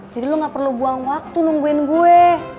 jadi lo gak perlu buang waktu nungguin gue